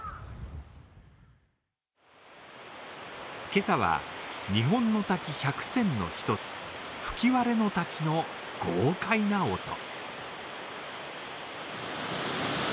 今朝は、日本の滝百選の一つ吹割の滝の豪快な音。